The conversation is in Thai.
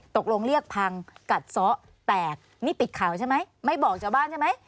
ตกลงเรียกพังกัดซ้อแตกนี่ปิดข่าวใช่ไหมไม่บอกชาวบ้านใช่ไหม